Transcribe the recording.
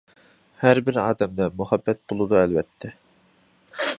ھەر بىر ئادەمدە مۇھەببەت بولىدۇ ئەلۋەتتە.